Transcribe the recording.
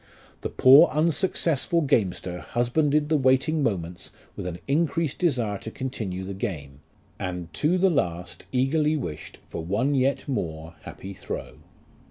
The poor unsuccessful gamester husbanded LIFE OF RICHARD NASH. 103 the wasting moments with an increased desire to continue the game, and to the last eagerly wished for one yet more happy throw.